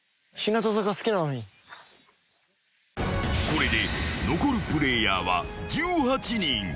［これで残るプレイヤーは１８人］